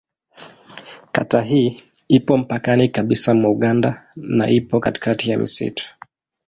Kata hii ipo mpakani kabisa mwa Uganda na ipo katikati ya msitu.